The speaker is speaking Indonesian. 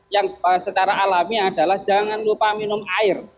yang secara alami adalah jangan lupa minum air